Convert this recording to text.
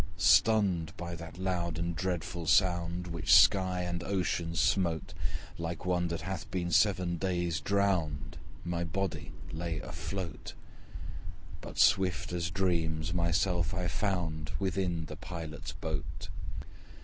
Stunned by that loud and dreadful sound, Which sky and ocean smote, Like one that hath been seven days drowned My body lay afloat; But swift as dreams, myself I found Within the Pilot's boat.